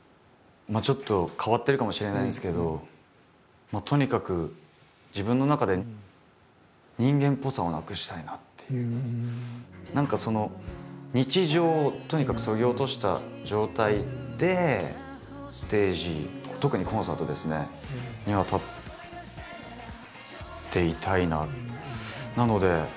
まあちょっと変わってるかもしれないんですけどもうとにかく自分の中で何か日常をとにかくそぎ落とした状態でステージ特にコンサートですねには立っていたいなと。